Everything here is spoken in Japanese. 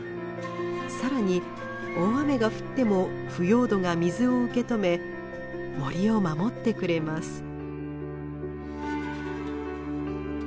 更に大雨が降っても腐葉土が水を受け止め森を守ってくれます。